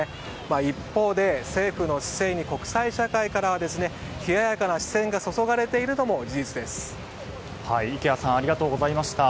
一方で、政府の姿勢に国際社会からは冷ややかな視線が注がれているのも池谷さんありがとうございました。